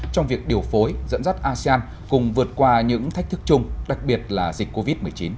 trong việc điều phối dẫn dắt asean cùng vượt qua những thách thức chung đặc biệt là dịch covid một mươi chín